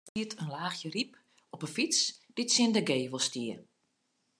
Der siet in laachje ryp op 'e fyts dy't tsjin de gevel stie.